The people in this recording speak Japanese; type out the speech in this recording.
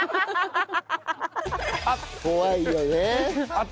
怖いよね。